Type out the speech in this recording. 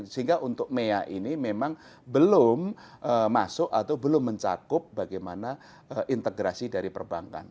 sehingga untuk meyak ini memang belum masuk atau belum mencakup bagaimana integrasi dari perbankan